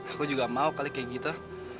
aku juga mau kali kayak gitu